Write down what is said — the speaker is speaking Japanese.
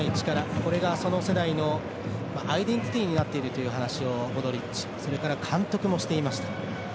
これが、その世代のアイデンティティーになっていると話をモドリッチそれから監督もしていました。